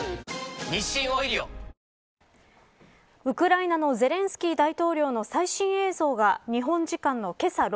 ウクライナのゼレンスキー大統領の最新映像が日本時間のけさ